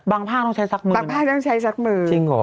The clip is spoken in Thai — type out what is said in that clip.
บางภาพต้องใช้ซักมือบางภาพต้องใช้ซักมือจริงเหรอ